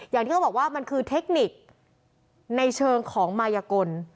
อย่างที่เขาบอกว่ามันคือเทคนิคในเชิงของมายกล